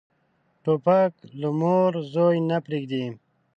توپک له مور زوی نه پرېږدي.